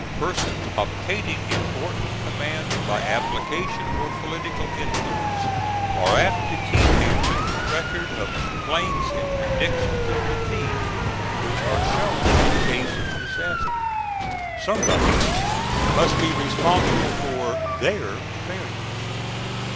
Persons obtaining important commands by application or political influence are apt to keep a written record of complaints and predictions of defeat, which are shown in case of disaster. Somebody must be responsible for their failures.